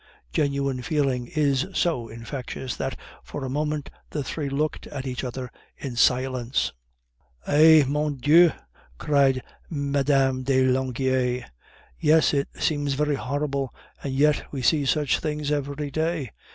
Genuine feeling is so infectious that for a moment the three looked at each other in silence. "Eh, mon Dieu!" said Mme. de Langeais; "yes, it seems very horrible, and yet we see such things every day.